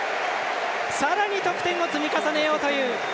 さらに得点を積み重ねようという。